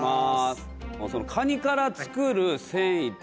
カニから作る繊維って